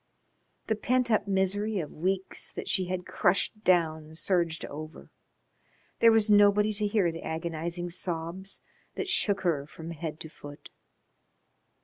The pent up misery of weeks that she had crushed down surged over. There was nobody to hear the agonising sobs that shook her from head to foot.